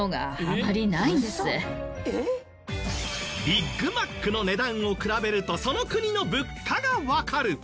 ビッグマックの値段を比べるとその国の物価がわかる！